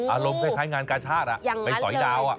อารมณ์คล้ายงานกาชาติในสอยดาว